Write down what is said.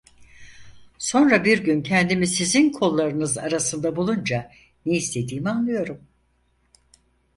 Sonra bir gün kendimi sizin kollarınız arasında bulunca ne istediğimi anlıyorum.